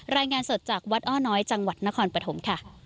รายงานสดจากวัดอ้อน้อยจังหวัดนครปฐมค่ะ